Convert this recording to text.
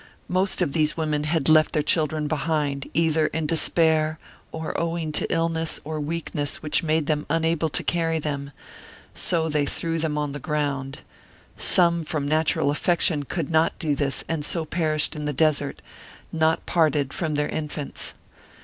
Most of these women had left their children behind, either in despair, or owing to illness or weakness which made them unable to carry them, so they threw them on the ground ; some from natural affection could not do this and so perished in the desert, not parted from their infants.